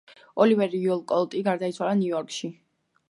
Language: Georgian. ოლივერ უოლკოტი გარდაიცვალა ნიუ-იორკში.